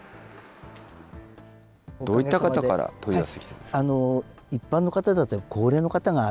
どういった方から問い合わせ来てますか。